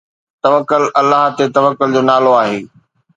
توڪل الله تي توڪل جو نالو آهي.